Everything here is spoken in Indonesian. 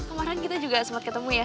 kemarin kita juga sempat ketemu ya